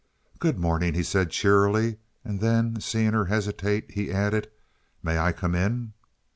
"Good morning," he said, cheerily; then, seeing her hesitate, he added, "May I come in?"